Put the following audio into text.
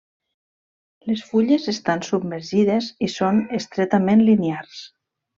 Les fulles estan submergides i són estretament linears.